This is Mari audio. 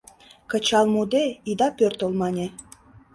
— Кычал муде, ида пӧртыл, мане.